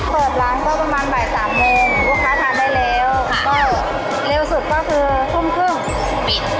กับพุธเขาเปิดซ้ำก็ประมาณบ่ายสามโมงลูกค้าทานไปเร็วค่ะ